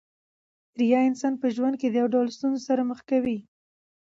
ریاء انسان په ژوند کښي د يو ډول ستونزو سره مخ کوي.